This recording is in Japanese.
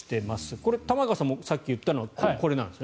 これ、玉川さんもさっき言ったのはこれなんですね。